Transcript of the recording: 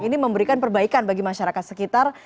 ini memberikan perbaikan bagi masyarakat sekitar